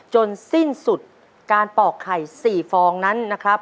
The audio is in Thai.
จนสิ้นสุดการปอกไข่๔ฟองนั้น